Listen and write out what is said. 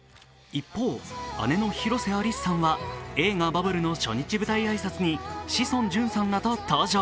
一方、姉の広瀬アリスさんは映画「バブル」の初日舞台挨拶に志尊淳さんらと登場。